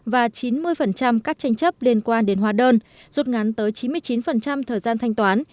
và chín mươi các tranh chấp liên quan đến hóa đơn rút ngắn tới chín mươi chín thời gian thanh toán